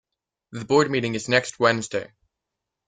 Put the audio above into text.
The board meeting is next Wednesday.